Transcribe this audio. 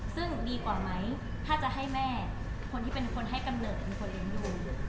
ซึ่งดีกว่าไหมถ้าจะให้แม่คนที่เป็นคนให้กำเนิดเป็นคนเลี้ยงดู